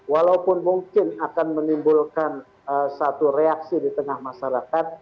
walaupun mungkin akan menimbulkan satu reaksi di tengah masyarakat